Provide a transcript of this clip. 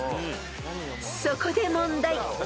［そこで問題］